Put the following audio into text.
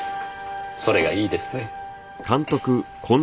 それがいいですね。